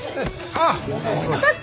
あっ！